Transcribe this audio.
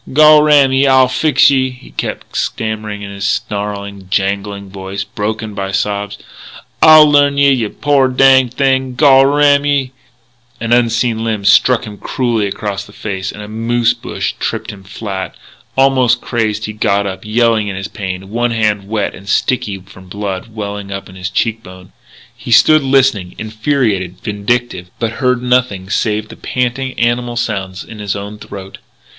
"Gol ram ye, I'll fix ye!" he kept stammering in his snarling, jangling voice, broken by sobs. "I'll learn ye, yeh poor danged thing, gol ram ye " An unseen limb struck him cruelly across the face, and a moose bush tripped him flat. Almost crazed, he got up, yelling in his pain, one hand wet and sticky from blood welling up from his cheek bone. He stood listening, infuriated, vindictive, but heard nothing save the panting, animal sounds in his own throat.